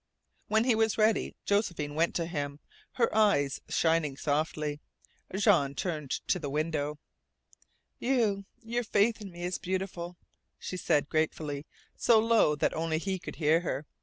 When he was ready Josephine went to him, her eyes shining softly. Jean turned to the window. "You your faith in me is beautiful," she said gratefully, so low that only he could hear her.